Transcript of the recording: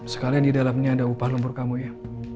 sekalian di dalamnya ada upah lembur kamu ya